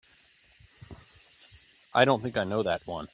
I don't think I know that one.